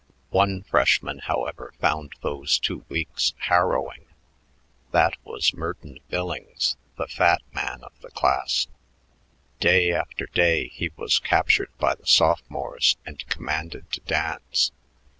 One freshman, however, found those two weeks harrowing. That was Merton Billings, the fat man of the class. Day after day he was captured by the sophomores and commanded to dance.